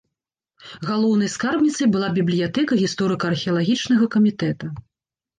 Галоўнай скарбніцай была бібліятэка гісторыка-археалагічнага камітэта.